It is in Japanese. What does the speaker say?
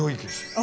あ。